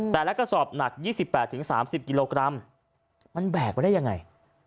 กระสอบหนัก๒๘๓๐กิโลกรัมมันแบกไปได้ยังไง